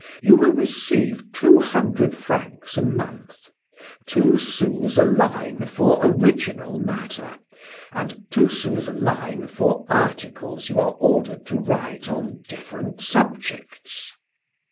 You will receive two hundred francs a months, two sous a line for original matter, and two sous a line for articles you are ordered to write on different subjects."